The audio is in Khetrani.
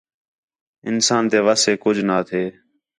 انسان تے وَس ایک کُج نہ تھے